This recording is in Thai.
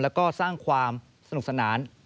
แล้วก็สร้างความสนุกสนาน